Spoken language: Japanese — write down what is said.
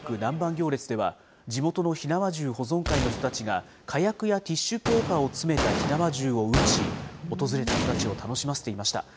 行列では、地元の火縄銃保存会の人たちが火薬やティッシュペーパーを詰めた火縄銃を撃ち、訪れた人たちを楽しませていました。